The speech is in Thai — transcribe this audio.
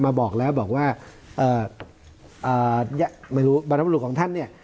มาบอกแล้วบอกว่าเอ่อเอ่อไม่รู้บรรณบรุษของท่านเนี้ย